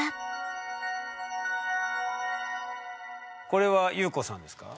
これは裕子さんですか？